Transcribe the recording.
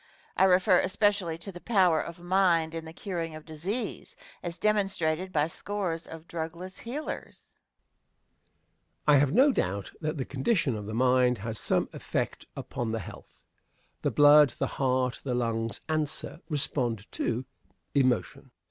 I refer especially to the power of mind in the curing of disease as demonstrated by scores of drugless healers. Answer. I have no doubt that the condition of the mind has some effect upon the health. The blood, the heart, the lungs answer respond to emotion.